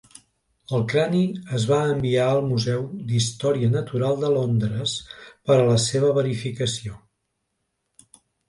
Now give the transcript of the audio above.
El crani es va enviar al Museu d'Història Natural de Londres per a la seva verificació.